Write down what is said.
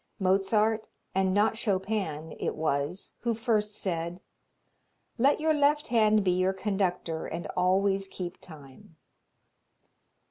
Mozart and not Chopin it was who first said: "Let your left hand be your conductor and always keep time."